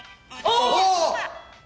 ああ！